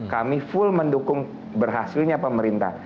kami full mendukung berhasilnya pemerintah